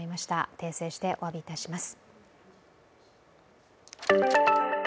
訂正しておわびいたします。